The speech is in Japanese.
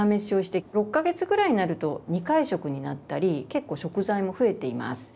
６か月ぐらいになると２回食になったり結構食材も増えています。